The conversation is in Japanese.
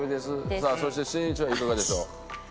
さあそしてしんいちはいかがでしょう？